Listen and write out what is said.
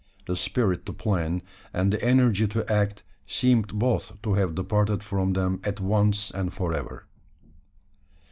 The spirit to plan, and the energy to act, seemed both to have departed from them at once and for ever.